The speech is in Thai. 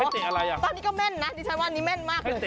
อ๋อตอนนี้ก็แม่นนะก็มั่นนี้แม่นมาก